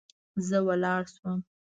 زه ولاړ سوم.